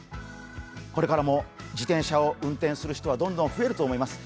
これからも自転車を運転する人はどんどん増えると思います。